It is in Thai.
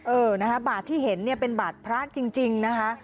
เออนะคะบาทที่เห็นเนี่ยเป็นบาทพระจริงนะคะ